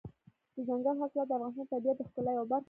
دځنګل حاصلات د افغانستان د طبیعت د ښکلا یوه برخه ده.